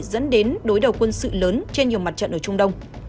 dẫn đến đối đầu quân sự lớn trên nhiều mặt trận ở trung đông